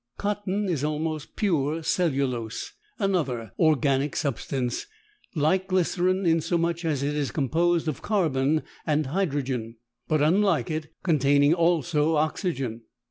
Cotton is almost pure cellulose, another organic substance, like glycerine insomuch as it is composed of carbon and hydrogen, but, unlike it, containing also oxygen.